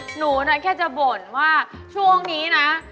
หนูน่ะแค่จะบ่นว่าช่วงนี้นะ